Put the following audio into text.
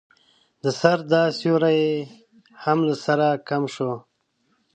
د سر دا سيوری يې هم له سره کم شو.